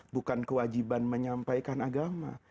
bukan kewajiban menyampaikan agama